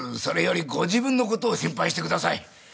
それよりご自分の事を心配してください。